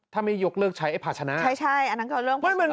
ถ้าไม่ยกเลิกใช้ไอ้ภาชนะใช่ใช่อันนั้นเขาเริ่ม